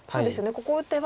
ここ打てば。